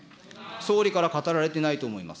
総理から語られてないと思います。